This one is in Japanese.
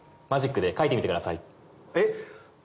えっ？